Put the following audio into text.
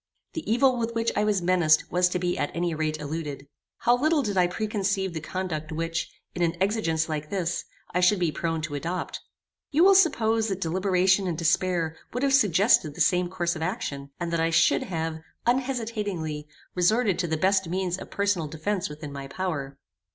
The evil with which I was menaced was to be at any rate eluded. How little did I preconceive the conduct which, in an exigence like this, I should be prone to adopt. You will suppose that deliberation and despair would have suggested the same course of action, and that I should have, unhesitatingly, resorted to the best means of personal defence within my power.